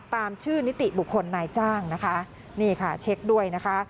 ตามชื่อนิติบุคคลนายจ้างนะคะนี่ค่ะเช็คด้วยนะคะ